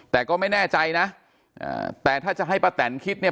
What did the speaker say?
แต่ก็ไม่แน่ใจนะแต่ถ้าจะให้ป้าแตนคิดเนี่ย